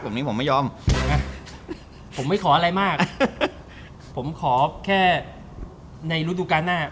แบบนี้ผมไม่ยอมผมไม่ขออะไรมากผมขอแค่ในฤดูการหน้า